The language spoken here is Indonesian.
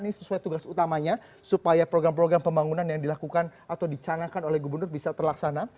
ini sesuai tugas utamanya supaya program program pembangunan yang dilakukan atau dicanakan oleh gubernur bisa terlaksana